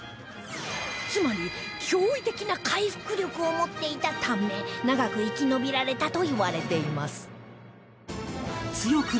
つまり驚異的な回復力を持っていたため長く生き延びられたといわれています